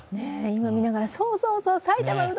今、見ながらそうそうそう！